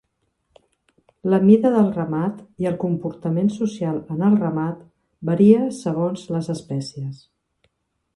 La mida del ramat i el comportament social en el ramat varia segons les espècies.